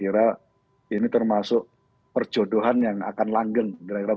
ini termasuk perjodohan yang akan langgeng